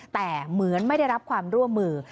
แต่เหมือนไม่ได้รับความร่วมมือ